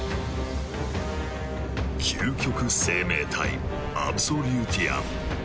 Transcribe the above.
究極生命体アブソリューティアン。